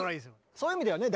そういう意味ではね